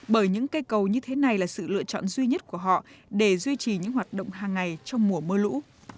bởi những cây cầu như thế này là sự lựa chọn duy nhất của họ để duy trì những hoạt động hàng ngày trong mùa mưa lũ